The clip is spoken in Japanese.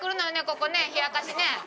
ここね冷やかしね。